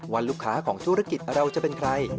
ว่าลูกค้าของธุรกิจเราจะเป็นใคร